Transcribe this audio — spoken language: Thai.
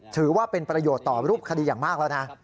ถือว่าเป็นประโยชน์ต่อรูปคดีอย่างมากแล้วนะ